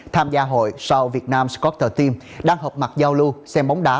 tham gia hội south vietnam scooter team đang hợp mặt giao lưu xem bóng đá